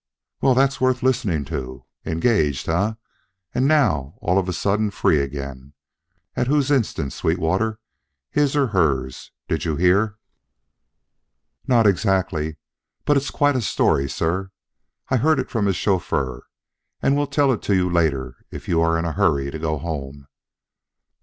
Well, that's worth listening to. Engaged, eh, and now all of a sudden free again? At whose instance, Sweetwater, his or hers? Did you hear?" "Not exactly, but it's quite a story, sir. I had it from his chauffeur and will tell it to you later if you are in a hurry to go home."